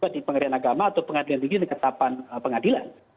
di pengadilan agama atau pengadilan negeri diketapan pengadilan